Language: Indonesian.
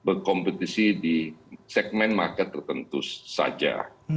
dan berkompetisi di segmen market tertentu saja